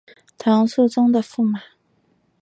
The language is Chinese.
唐肃宗的驸马。